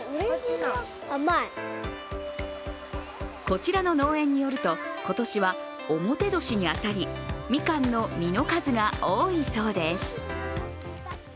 こちらの農園によると今年は表年にあたりみかんの実の数が多いそうです。